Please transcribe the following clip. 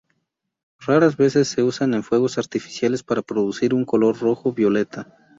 Raras veces se usa en fuegos artificiales para producir un color rojo-violeta.